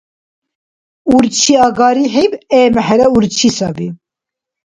Урчи агарихӀиб эмхӀера урчи саби.